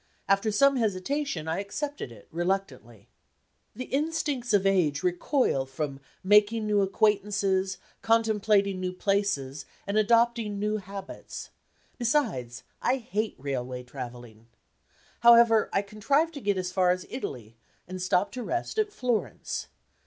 After some hesitation, I accepted it reluctantly. The instincts of age recoil from making new acquaintances, contemplating new places, and adopting new habits. Besides, I hate railway traveling. However, I contrived to get as far as Italy, and stopped to rest at Florence.